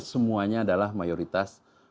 semuanya adalah mayoritas